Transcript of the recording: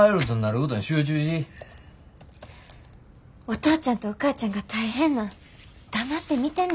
お父ちゃんとお母ちゃんが大変なん黙って見てんのは嫌やねん。